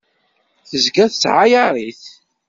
Tezga tettɛayaṛ-it.